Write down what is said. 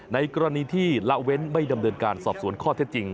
ในกรณีที่ละเว้นไม่ดำเนินการสอบสวนข้อเท็จจริง